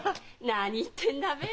何言ってんだべ。